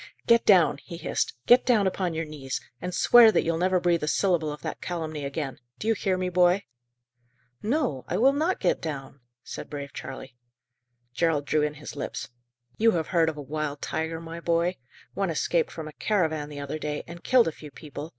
"Get down!" he hissed; "get down upon your knees, and swear that you'll never breathe a syllable of that calumny again! Do you hear me, boy?" "No, I will not get down," said brave Charley. Gerald drew in his lips. "You have heard of a wild tiger, my boy? One escaped from a caravan the other day, and killed a few people.